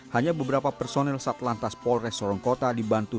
hanya beberapa personel satelantas polres sorong kota dibantu